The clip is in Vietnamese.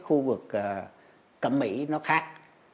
khu vực cẩm mỹ nó khác